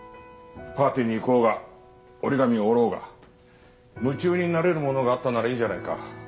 パーティーに行こうが折り紙を折ろうが夢中になれるものがあったならいいじゃないか。